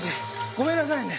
ごめんなさいね。